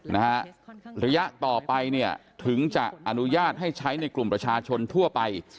นะฮะระยะต่อไปเนี่ยถึงจะอนุญาตให้ใช้ในกลุ่มประชาชนทั่วไป